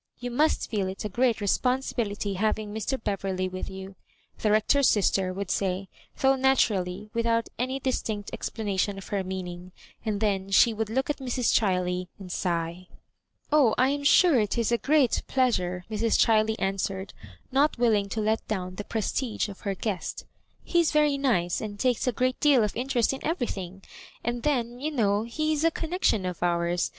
Yoa must feel it a great responsibility having Mr. Beverley with you," the Rector's sister would say, though naturally without any distinct ex planation of her meaning; and then she would look at Mrs. Chiley and sigh. '*0h, I am sure it is a great pleasure," Mrs. Chiley answered, not willing to let down the pfestige of her guest. '* He is very nice, and takes a great deal of interest in everything; and then, you know, he is a connectioa of ours.